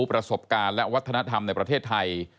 ประสบการณ์และวัฒนธรรมในประเทศไทย